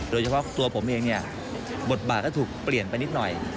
โดยเฉพาะตัวผมเองเนี่ยบทบาทก็ถูกเปลี่ยนไปนิดหน่อย